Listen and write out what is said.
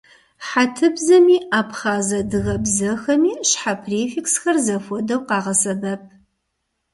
Хьэтыбзэми абхъаз-адыгэ бзэхэми щхьэ префиксхэр зэхуэдэу къагъэсэбэп.